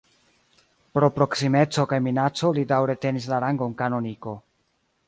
Pro proksimeco kaj minaco li daŭre tenis la rangon kanoniko.